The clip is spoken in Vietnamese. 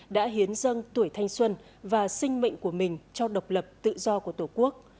đã hiến dâng tuổi thanh xuân và sinh mệnh của mình cho độc lập tự do của tổ quốc